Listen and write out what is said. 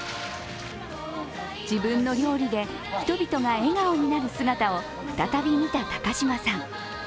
自分の料理で人々が笑顔になる姿を再び見た高嶋さん。